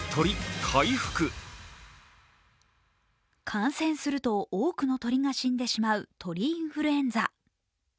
感染すると多くの鳥が死んでしまう鳥インフルエンザ。